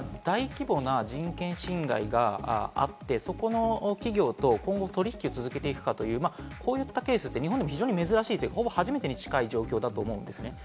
大規模な人権侵害があって、そこの企業と今後、取り引きを続けていくかという、こういったケースって日本でも非常に珍しい、ほぼ初めてに近い状況だと思います。